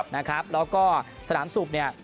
นะครับแล้วก็สนามทรุปเนี่ย